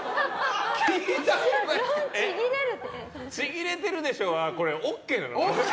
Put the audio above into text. ちぎれてるでしょはＯＫなの？